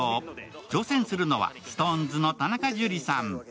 挑戦するのはＳｉｘＴＯＮＥＳの田中樹さん。